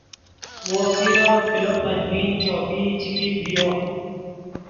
وو پیرو کلو ملمین چوپئی چے کیت ڤیو